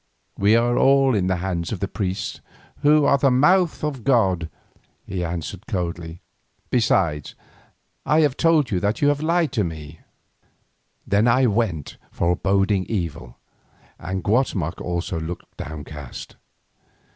"We are all in the hands of the priests, who are the mouth of God," he answered coldly. "Besides, I hold that you have lied to me." Then I went foreboding evil, and Guatemoc also looked downcast.